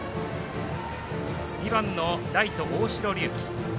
２番のライト、大城龍紀。